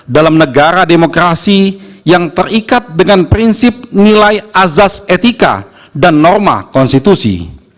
dalam negara demokrasi yang terikat dengan prinsip nilai azas etika dan norma konstitusi